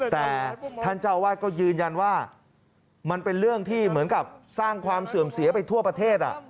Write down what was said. แต่ท่านเจ้าวาดก็ยืนยันว่ามันเป็นเรื่องที่เหมือนกับสร้างความเสื่อมเสียไปทั่วประเทศ